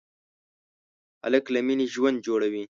هلک له مینې ژوند جوړوي.